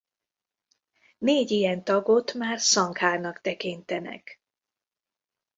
Négy ilyen tagot már szanghának tekintenek.